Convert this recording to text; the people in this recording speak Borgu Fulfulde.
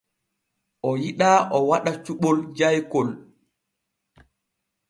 O yiɗaa o waɗa cuɓol jaykol.